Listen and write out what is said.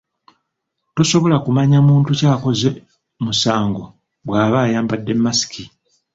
Tosobola kumanya muntu ki akoze musango bwaba ayambadde mask.